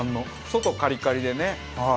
外カリカリでね